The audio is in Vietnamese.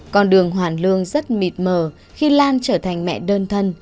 con đường hoàn lương rất mịt mờ khi lan trở thành mẹ đơn thân